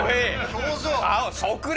表情！